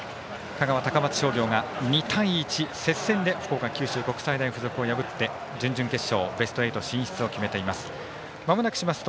香川、高松商業が２対１接戦で福岡、九州国際大付属を破って準々決勝、ベスト８進出を決めています。